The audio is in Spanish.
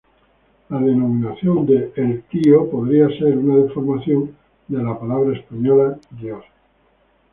La denominación de "el Tío" podría ser una deformación de la palabra española "Dios".